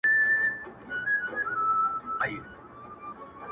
بیا یې پورته کړو نقاب له سپين رخساره،